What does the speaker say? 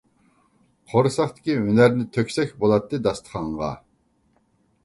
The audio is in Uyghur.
قورساقتىكى ھۈنەرنى تۆكسەك بولاتتى داستىخانغا.